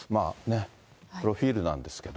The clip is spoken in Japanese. プロフィールなんですけど。